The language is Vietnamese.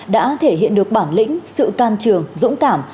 đã thể hiện được bản lĩnh sự can trường dũng cảm